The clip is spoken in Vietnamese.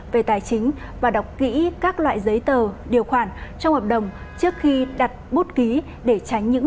về tài chính và đọc kỹ các loại giấy tờ điều khoản trong hợp đồng trước khi đặt bút ký để tránh những